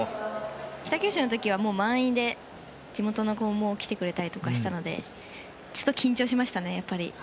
北九州の時は満員で地元の子も来てくれたりとかしていたのでちょっと緊張しましたね。